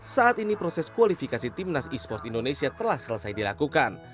saat ini proses kualifikasi timnas e sports indonesia telah selesai dilakukan